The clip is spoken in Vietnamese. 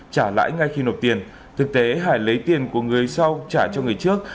trả lãi ngay khi nộp tiền thực tế hải lấy tiền của người sau trả cho người trước